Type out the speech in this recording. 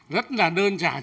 rất là đơn giản